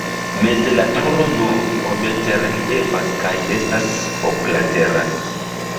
Meze la turo nur iomete reliefas kaj estas oklatera.